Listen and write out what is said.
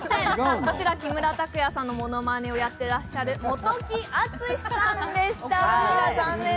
こちら、木村拓哉さんのものまねをやってらっしゃる元木敦士さんでした。